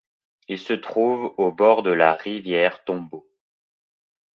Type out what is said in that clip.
Il se trouve au bord de la rivière Tombeau.